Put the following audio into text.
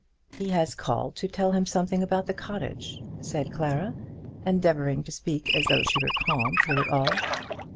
"He has called to tell him something about the cottage," said Clara, endeavouring to speak as though she were calm through it all.